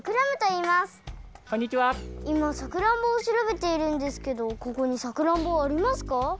いまさくらんぼをしらべているんですけどここにさくらんぼはありますか？